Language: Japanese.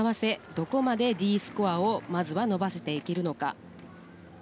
どこまでＤスコアをまずは、伸ばしていけるのか。